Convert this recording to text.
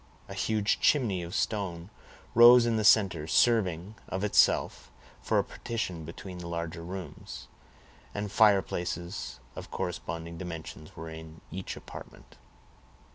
A huge chimney of stone rose in the center, serving, of itself, for a partition between the larger rooms; and fireplaces of corresponding dimensions were in each apartment.